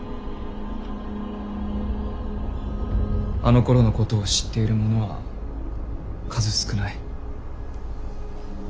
あのころのことを知っている者は数少ない。